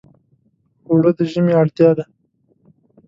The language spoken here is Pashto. اوړه د ژمي اړتیا ده